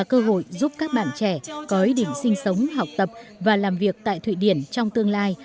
cơ hội giúp các bạn trẻ có ý định sinh sống học tập và làm việc tại thụy điển trong tương lai